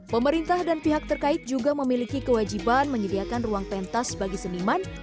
pemerintah dan pihak terkait juga memiliki kewajiban menyediakan ruang pentas bagi seniman